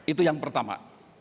itu yang pertama